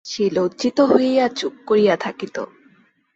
সে লজ্জিত হইয়া চুপ করিয়া থাকিত।